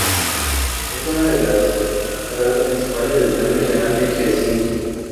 Es una de las paradas principales del tren regional de Helsinki.